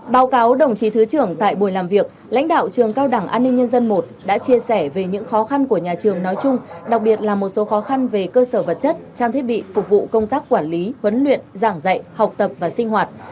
báo cáo đồng chí thứ trưởng tại buổi làm việc lãnh đạo trường cao đẳng an ninh nhân dân i đã chia sẻ về những khó khăn của nhà trường nói chung đặc biệt là một số khó khăn về cơ sở vật chất trang thiết bị phục vụ công tác quản lý huấn luyện giảng dạy học tập và sinh hoạt